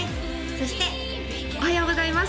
そしておはようございます